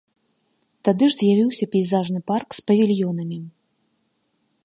Тады ж з'явіўся пейзажны парк з павільёнамі.